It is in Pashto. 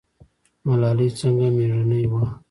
ملالۍ څنګه میړنۍ وه؟